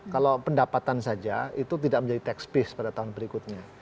kalau pendapatan saja itu tidak menjadi tax base pada tahun berikutnya